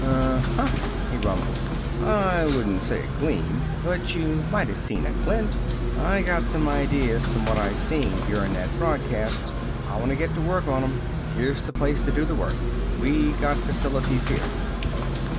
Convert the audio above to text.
"Uh uh," he rumbled. "I wouldn't say a gleam. But you mighta seen a glint. I got some ideas from what I seen during that broadcast. I wanna get to work on 'em. Here's the place to do the work. We got facilities here."